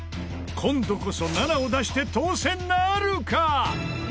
今度こそ７を出して当せんなるか！？